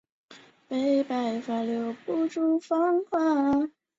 棚仓町是位于福岛县东白川郡的一町。